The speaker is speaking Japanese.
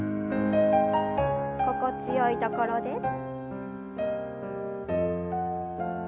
心地よいところで。